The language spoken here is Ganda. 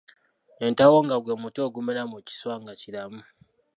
Entawongwa gwe muti ogumera mu kiswa nga kiramu.